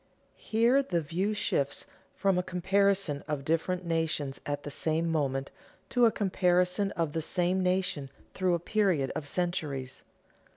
_ Here the view shifts from a comparison of different nations at the same moment to a comparison of the same nation through a period of centuries.